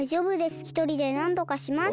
ひとりでなんとかします。